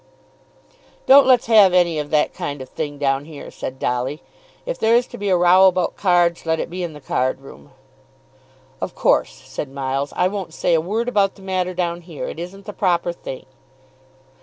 "Don't let's have any of that kind of thing down here," said Dolly. "If there is to be a row about cards, let it be in the card room." "Of course," said Miles. "I won't say a word about the matter down here. It isn't the proper thing."